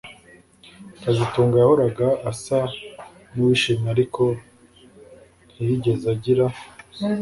kazitunga yahoraga asa nuwishimye ariko ntiyigeze agira